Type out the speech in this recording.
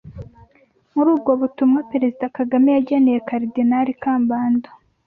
Muri ubwo butumwa Perezida Kagame yageneye Karidinali Kambanda